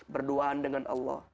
berdoaan dengan allah